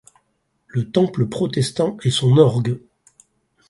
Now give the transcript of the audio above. Le Temple protestant et son orgue.